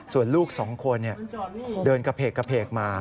ส่วนลูก๒คนนี่เดินกระเพกมา